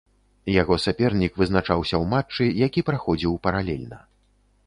Яго сапернік вызначаўся ў матчы, які праходзіў паралельна.